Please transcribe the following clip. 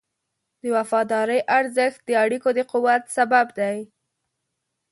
د وفادارۍ ارزښت د اړیکو د قوت سبب دی.